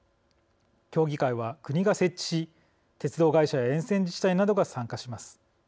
協議会は、国が設置し鉄道会社や沿線自治体などが参加します。